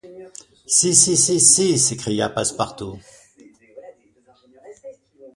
Si, si, si, si! s’écria Passepartout.